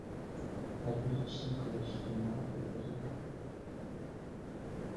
ھەر بىر ئىشنى قىلىش ئۈچۈن مۇھەببەت بولىدۇ.